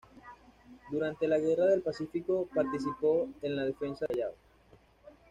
Durante la Guerra del Pacífico participó en la defensa del Callao.